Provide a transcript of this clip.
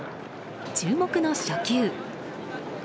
注目の初球。